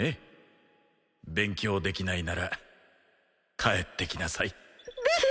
勉強できないなら帰ってきなさい。